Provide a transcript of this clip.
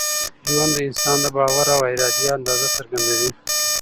ژوند د انسان د باور او ارادې اندازه څرګندوي.